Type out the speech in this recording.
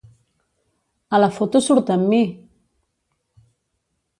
A la foto surt amb mi!